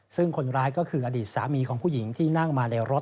ซึ่งคนร้ายก็คืออดีตสามีของผู้หญิงที่นั่งมาในรถ